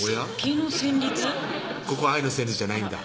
ここは愛の旋律じゃないんだ